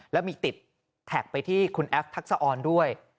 แล้วมีติดแท็กไปที่คุณแอฟทักษะออนด้วย